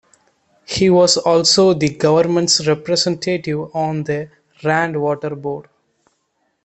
He was also the Government's representative on the Rand Water Board.